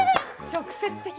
直接的。